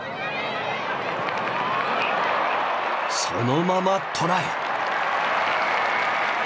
そのままトライ！